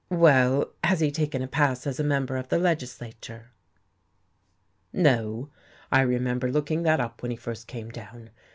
"Well, has he taken a pass as a member of the legislature?" "No, I remember looking that up when he first came down.